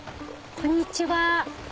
こんにちは。